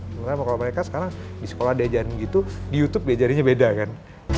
sebenarnya kalau mereka sekarang di sekolah diajarin gitu di youtube diajarinnya beda kan